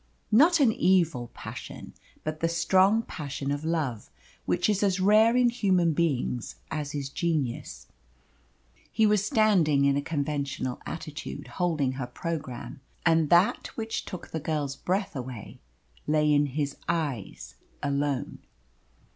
Not an evil passion, but the strong passion of love, which is as rare in human beings as is genius. He was standing in a conventional attitude, holding her programme and that which took the girl's breath away lay in his eyes alone.